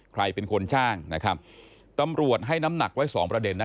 ใครเป็นคนจ้างนะครับตำรวจให้น้ำหนักไว้สองประเด็นนะ